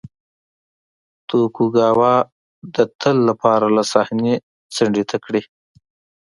توکوګاوا د تل لپاره له صحنې څنډې ته کړي.